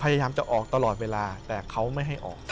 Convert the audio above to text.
พยายามจะออกตลอดเวลาแต่เขาไม่ให้ออก